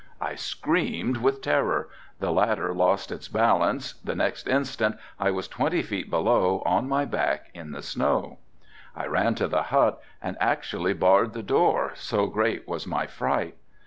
I screamed with terror, the ladder lost its balance, the next instant I was twenty feet below on my back in the snow. I ran to the hut and actually barred the door, so great was my fright.